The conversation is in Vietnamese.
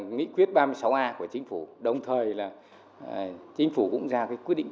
nghị quyết ba mươi sáu a của chính phủ đồng thời là chính phủ cũng ra cái quyết định tám mươi